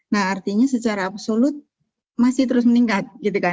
nah artinya secara absolut masih terus meningkat